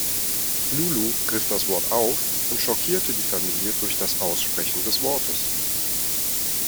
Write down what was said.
Lulu griff das Wort auf und schockierte die Familie durch das Aussprechen des Wortes.